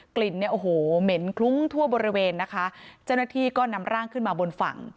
กลิ่นเนี่ยโอ้โหเหม็นคลุ้งทั่วบริเวณนะคะเจ้าหน้าที่ก็นำร่างขึ้นมาบนฝั่ง